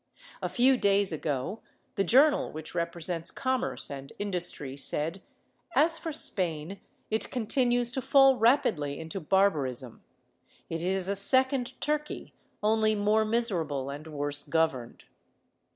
A few days ago the journal which represents commerce and industry said ''As for Spain, it continues to fall rapidly into barbarism. It is a second Turkey, only more miserable and worse governed."